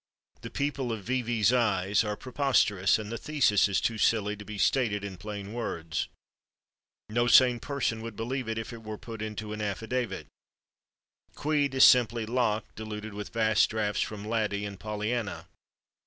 The people of "V. V.'s Eyes" are preposterous and the thesis is too silly to be stated in plain words. No sane person would believe it if it were put into an affidavit. "Queed" is simply Locke diluted with vast drafts from "Laddie" and "Pollyanna."